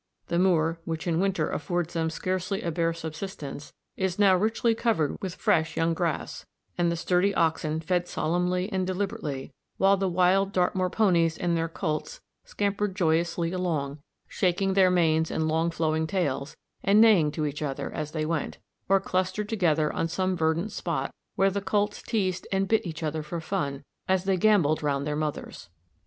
The moor, which in winter affords them scarcely a bare subsistence, is now richly covered with fresh young grass, and the sturdy oxen fed solemnly and deliberately, while the wild Dartmoor ponies and their colts scampered joyously along, shaking their manes and long flowing tails, and neighing to each other as they went; or clustered together on some verdant spot, where the colts teased and bit each other for fun, as they gambolled round their mothers.